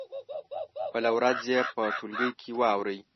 بله ورځ یې په ټولګي کې واوروئ.